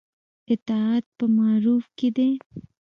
اطاعت په معروف کې دی